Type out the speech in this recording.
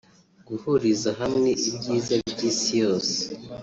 guhuriza hamwe ibyiza by’Isi yose